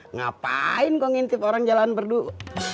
ngapain kok ngintip orang jalan berdua